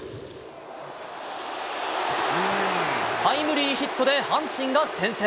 タイムリーヒットで阪神が先制。